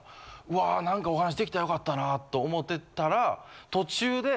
「うわ何かお話しできたら良かったな」と思ってたら途中で。